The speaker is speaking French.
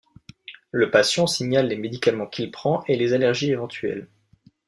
Le patient signale les médicaments qu’il prend et les allergies éventuelles.